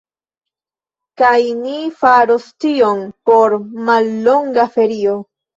Kaj ni faros tion por mallonga ferio.